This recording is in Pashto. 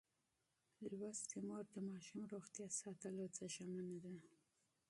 لوستې میندې د ماشوم روغتیا ساتلو ته ژمنه ده.